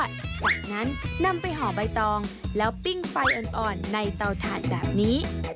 จากนั้นนำไปห่อใบตองแล้วปิ้งไฟอ่อนในเตาถ่านแบบนี้